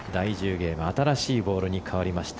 ゲーム新しいボールに替わりました。